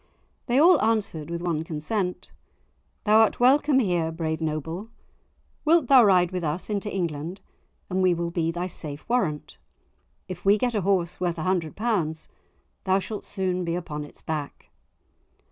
They all answered, with one consent, "Thou'rt welcome here, brave Noble; wilt thou ride with us into England, and we will be thy safe warrant? If we get a horse worth a hundred pounds thou shalt soon be upon its back."